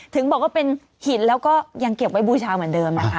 ถึงบอกว่าเป็นหินแล้วก็ยังเก็บไว้บูชาเหมือนเดิมนะคะ